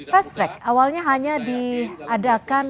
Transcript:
pas track awalnya hanya diadakan